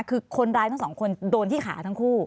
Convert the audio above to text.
คือคนร้ายทั้งสองคนโดนที่ขาทั้งคู่